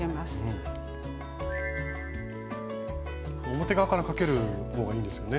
表側からかける方がいいんですよね。